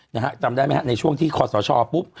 นะฮะจำได้ไหมฮะในช่วงที่คอสชปุ๊บ